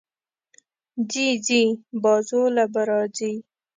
ځې ځې، بازو له به راځې